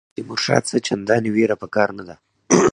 له تیمورشاه څخه چنداني وېره په کار نه ده.